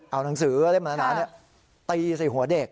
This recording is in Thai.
เอาหนังสือเล่มหนาตีใส่หัวเด็ก